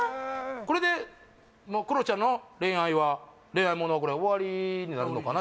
これでもうクロちゃんの恋愛は恋愛ものは終わりになるのかな